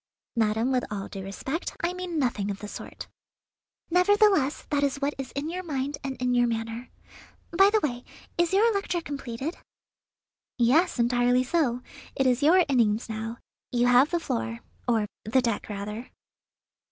"Madam, with all due respect, I mean nothing of the sort." "Nevertheless, that is what is in your mind and in your manner. By the way, is your lecture completed?" "Yes, entirely so. It is your innings now. You have the floor, or the deck rather."